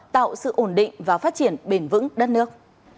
tạo sự ổn định và phát triển bền vững đất nước